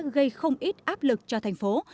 gây không ít áp lực cho thành phố